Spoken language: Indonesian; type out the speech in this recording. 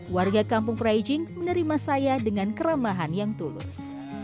warga kampung praijing menerima saya dengan keramahan yang tulus